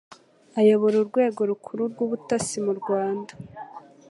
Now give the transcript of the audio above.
ayobora urwego rukuru rw'ubutasi mu Rwanda